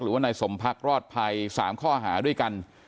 หรือว่านายสมพักรอดภัย๓ข้อหาด้วยกัน